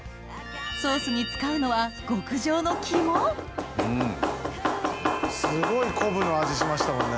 ソースに使うのは極上の肝すごい昆布の味しましたもんね。